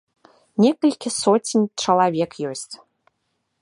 Некалькі соцень чалавек ёсць.